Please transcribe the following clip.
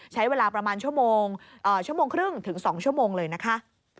ใช้เวลาประมาณชั่วโมงครึ่งถึง๒ชั่วโมงเลยนะคะ